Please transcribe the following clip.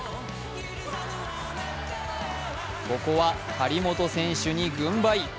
ここは張本選手に軍配。